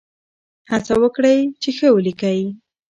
هڅه وکړئ چې ښه ولیکئ.